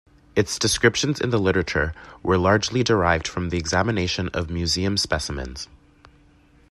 Its descriptions in the literature were largely derived from the examination of museum specimens.